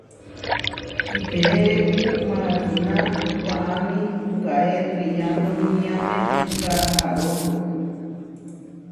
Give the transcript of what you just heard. Kiteérepu mákina waʼámi puʼkáe triyandóniame puʼká aaróso.